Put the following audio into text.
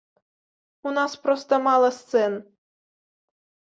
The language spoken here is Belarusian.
У нас проста мала сцэн.